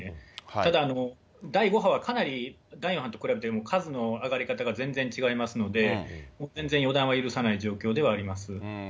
ただ第５波はかなり第４波と比べても数の上がり方が全然違いますので、全然予断は許さない状況ではあります。